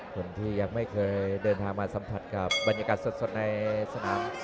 คนที่ยังไม่เคยเดินทางมาสัมผัสกับบรรยากาศสดในสนาม